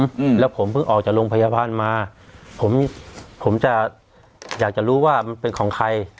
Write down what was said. อืมแล้วผมเพิ่งออกจากโรงพยาบาลมาผมผมจะอยากจะรู้ว่ามันเป็นของใคร